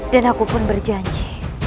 dan aku pun berjanji